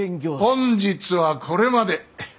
本日はこれまで。